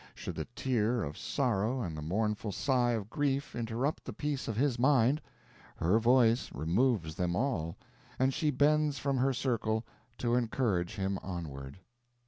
Should the tear of sorrow and the mournful sigh of grief interrupt the peace of his mind, her voice removes them all, and she bends from her circle to encourage him onward.